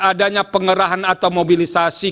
adanya pengerahan atau mobilisasi